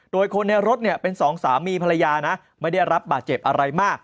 โดยคนในรถเนี่ยเป็นสองสามีภรรยานะไม่ได้รับบาดเจ็บอะไรมาก